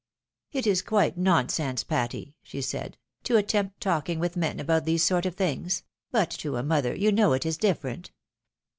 " It is quite nonsense, Patty," she said, " to attempt talking with men about these sort of things ; but to a mother, you know, it is different.